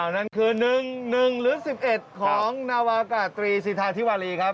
นั่นคือ๑๑หรือ๑๑ของนาวากาตรีสิทธาธิวารีครับ